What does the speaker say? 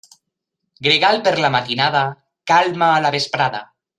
Gregal per la matinada, calma a la vesprada.